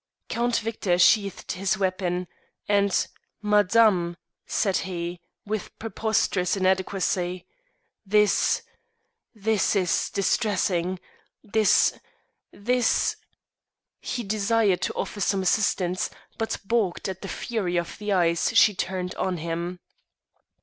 Count Victor sheathed his weapon, and "Madame," said he with preposterous inadequacy, "this this is distressing; this this " he desired to offer some assistance, but baulked at the fury of the eyes she turned on him.